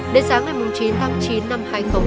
đến sáng ngày chín tháng chín năm hai nghìn hai mươi một